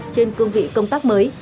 trên cương vị công tác mới